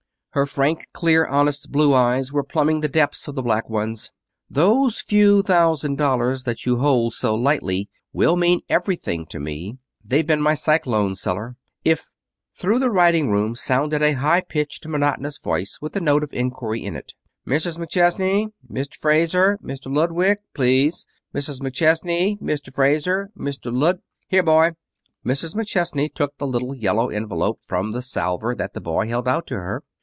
Her frank, clear, honest, blue eyes were plumbing the depths of the black ones. "Those few thousand dollars that you hold so lightly will mean everything to me. They've been my cyclone cellar. If " Through the writing room sounded a high pitched, monotonous voice with a note of inquiry in it. "Mrs. McChesney! Mr. Fraser! Mr. Ludwig! Please! Mrs. McChesney! Mr. Fraser! Mr. Lud " "Here, boy!" Mrs. McChesney took the little yellow envelope from the salver that the boy held out to her.